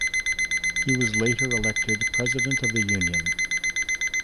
He was later elected president of the Union.